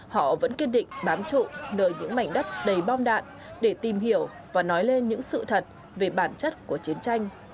họ vẫn kiên định bám trụ nơi những mảnh đất đầy bom đạn để tìm hiểu và nói lên những sự thật về bản chất của chiến tranh